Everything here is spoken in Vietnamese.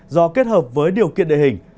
do kết hợp với điều kiện địa hình